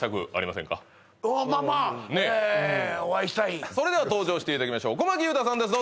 まあまあえお会いしたいそれでは登場していただきましょう小牧勇太さんです